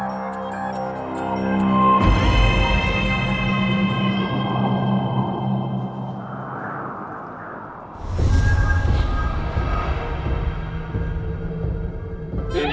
aku mau ke rumah ya